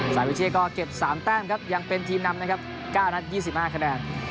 สายวิเชียก็เก็บ๓แต้มครับยังเป็นทีมนำนะครับ๙นัด๒๕คะแนน